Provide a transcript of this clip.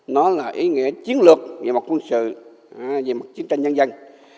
nó là ý nghĩa chiến lược về mặt quân sự về mặt chiến tranh nhân dân